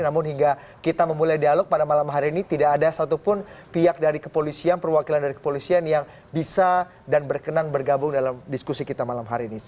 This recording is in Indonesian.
namun hingga kita memulai dialog pada malam hari ini tidak ada satupun pihak dari kepolisian perwakilan dari kepolisian yang bisa dan berkenan bergabung dalam diskusi kita malam hari ini